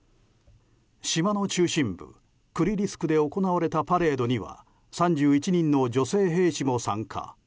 島の中心部クリリスクで行われたパレードには３１人の女性兵士も参加。